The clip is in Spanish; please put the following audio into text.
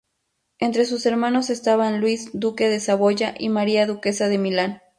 Entre sus hermanos estaban Luis, duque de Saboya y María, duquesa de Milán.